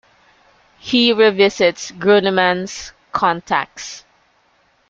He revisits Gruneman's contacts.